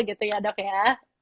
gitu ya dok ya